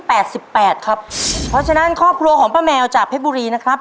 เพราะฉะนั้นครอบครัวของป้าแมวจากเพชรบุรีนะครับ